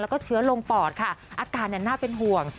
แล้วก็เชื้อลงปอดค่ะอาการน่าเป็นห่วง